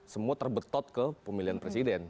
semua terbetot ke pemilihan presiden